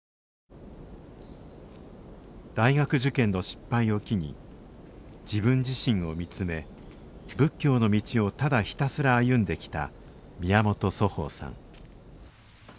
大学受験の失敗を機に自分自身を見つめ仏教の道をただひたすら歩んできた宮本祖豊さん